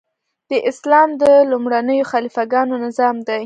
د اسلام د لومړنیو خلیفه ګانو نظام دی.